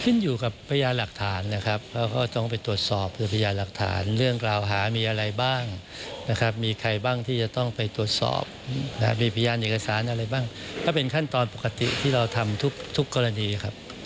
ขึ้นอยู่กับพยานหลักฐานนะครับแล้วก็ต้องไปตรวจสอบเผื่อพยานหลักฐานเรื่องกล่าวหามีอะไรบ้างนะครับมีใครบ้างที่จะต้องไปตรวจสอบมีพยานเอกสารอะไรบ้างก็เป็นขั้นตอนปกติที่เราทำทุกกรณีครับ